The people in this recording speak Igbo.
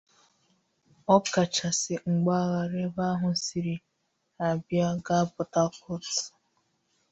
ọ kachasị mpaghara ebe ahụ siri Abịa gaa Porthacourt